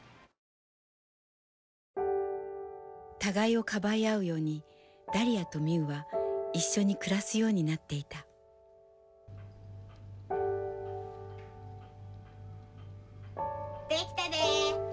互いをかばい合うようにだりあとみうは一緒に暮らすようになっていた出来たで！